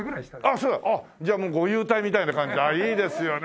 ああそうじゃあもうご勇退みたいな感じでいいですよね。